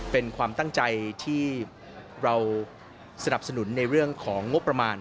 เป็นความตั้งใจที่เราสนับสนุนในเรื่องของงบประมาณ